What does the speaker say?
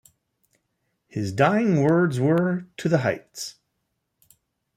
His dying words were, To the heights!